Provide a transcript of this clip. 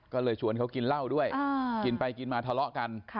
ก็เลยชวนเขากินเหล้าด้วยกินไปกินมาทะเลาะกัน